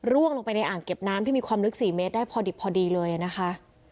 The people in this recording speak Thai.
ลงไปในอ่างเก็บน้ำที่มีความลึก๔เมตรได้พอดิบพอดีเลยนะคะ